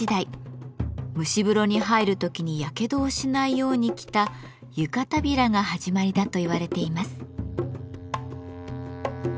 蒸し風呂に入る時にやけどをしないように着た「湯帷子」が始まりだと言われています。